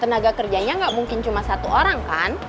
tenaga kerjanya nggak mungkin cuma satu orang kan